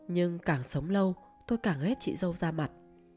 nhưng càng sống lâu tôi càng ghét chị dâu ra mặt